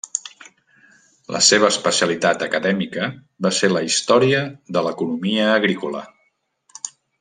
La seva especialitat acadèmica va ser la història de l'economia agrícola.